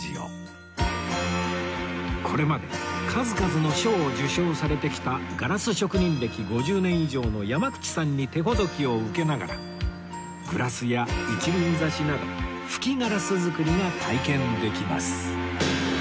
これまで数々の賞を受賞されてきたガラス職人歴５０年以上の山口さんに手ほどきを受けながらグラスや一輪挿しなど吹きガラス作りが体験できます